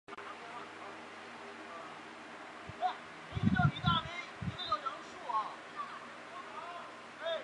一条被命名为阿尔塔莫诺夫链坑的直线链坑从它的东北侧擦身而过伸向东南。